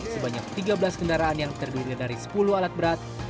sebanyak tiga belas kendaraan yang terdiri dari sepuluh alat berat